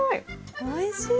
おいしい。